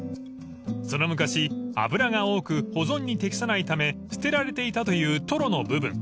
［その昔脂が多く保存に適さないため捨てられていたというトロの部分］